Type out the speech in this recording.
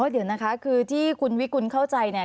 เดี๋ยวนะคะคือที่คุณวิกุลเข้าใจเนี่ย